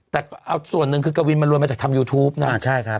แต่ก็เอาส่วนหนึ่งคือกวินมารวยมาจากทำยูทูปเนาะใช่ครับ